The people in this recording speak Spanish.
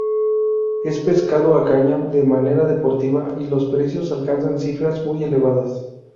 Es pescado a caña, de manera deportiva, y los precios alcanzan cifras muy elevadas.